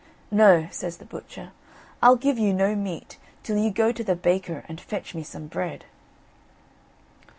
"No," says the butcher, "I'll give you no meat, till you go to the baker and fetch me some bread."